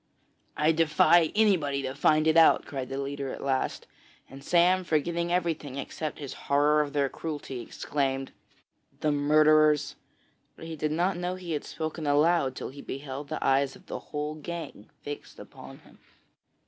'I defy anybody to find it out!' cried the leader at last, and Sam, forgetting everything, except his horror of their cruelty, exclaimed: 'The murderers!' but he did not know he had spoken aloud till he beheld the eyes of the whole gang fixed upon him.